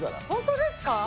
本当ですか？